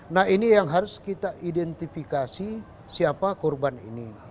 nah ini yang harus kita identifikasi siapa korban ini